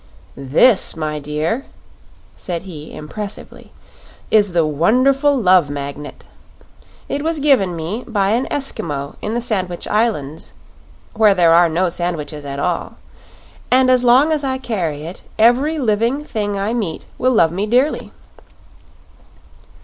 "This, my dear," said he, impressively, "is the wonderful Love Magnet. It was given me by an Eskimo in the Sandwich Islands where there are no sandwiches at all and as long as I carry it every living thing I meet will love me dearly."